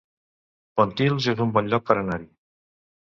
Pontils es un bon lloc per anar-hi